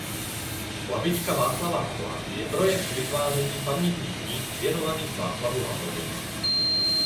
Lavička Václava Havla je projekt vytváření pamětních míst věnovaných Václavu Havlovi.